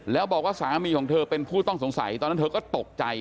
แล้วบอกว่าสามีของเธอเป็นผู้ต้องสงสัยตอนนั้นเธอก็ตกใจ